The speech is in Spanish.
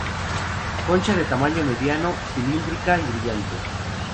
Concha de tamaño mediano, cilíndrica y brillante.